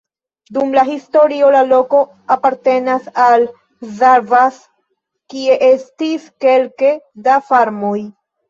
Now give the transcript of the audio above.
Dum la historio la loko apartenis al Szarvas, kie estis kelke da farmoj.